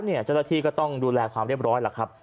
เจ้าหน้าที่ก็ต้องดูแลความเรียบร้อยล่ะครับ